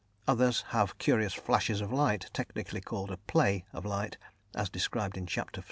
Others have curious flashes of light, technically called a "play" of light (as described in Chapter VI.